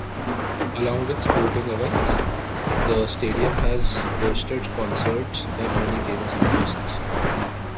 Along with sporting events, the stadium has hosted concerts by many famous artists.